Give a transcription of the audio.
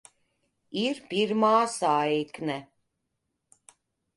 Ir pirmā saikne.